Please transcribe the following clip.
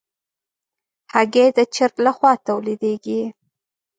هګۍ د چرګ له خوا تولیدېږي.